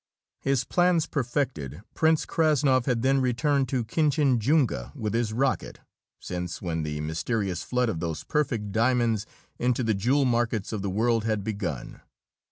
His plans perfected, Prince Krassnov had then returned to Kinchinjunga with his rocket, since when the mysterious flood of those perfect diamonds into the jewel markets of the world had begun.